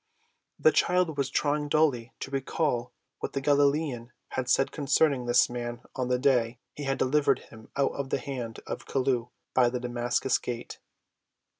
The child was trying dully to recall what the Galilean had said concerning this man on the day he had delivered him out of the hand of Chelluh by the Damascus gate.